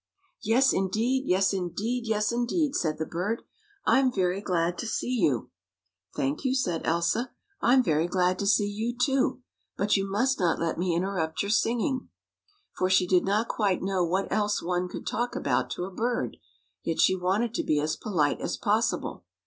" "Yes, indeed! yes, indeed! yes, indeed!" said the bird. "I'm very glad to see you." " Thank you," said Elsa. "I'm very glad to see 97 THE FOREST FULL OF FRIENDS you, too, but you must not let me interrupt your sing ing." For she did not quite know what else one could talk about to a bird, yet she wanted to be as polite as possible.